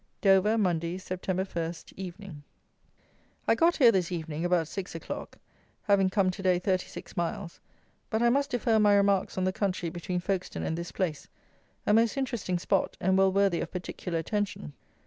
Dover, Monday, Sept. 1st, Evening. I got here this evening about six o'clock, having come to day thirty six miles; but I must defer my remarks on the country between Folkestone and this place; a most interesting spot, and well worthy of particular attention.